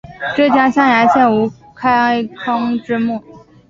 浙江象山县吴公开科之墓